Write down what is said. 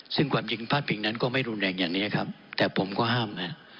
ซึ่งความจริงพลาดพิงนั้นก็ไม่รุนแรงอย่างนี้ครับแต่ผมก็ห้ามนะ